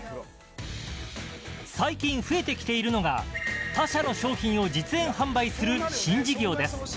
最近、増えてきているのが他社の商品を実演販売する新事業です。